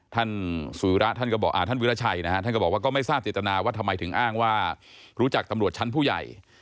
ท่านวิราชัยท่านก็บอกว่าก็ไม่ทราบติดตนาว่าทำไมถึงอ้างว่ารู้จักตำรวจชั้นผู้ใหญ่